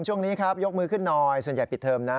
ช่วงนี้ครับยกมือขึ้นหน่อยส่วนใหญ่ปิดเทอมนะ